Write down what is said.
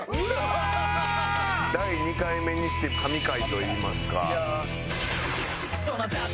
第２回目にして神回といいますか。